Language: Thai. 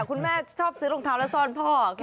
คุณแม่ชอบซื้อรองเท้าแล้วซ่อนพ่อ